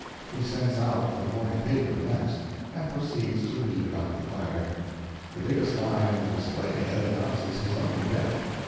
He sends out for the morning paper, next, and proceeds to read about the fire. The biggest line in the display head announces his own death!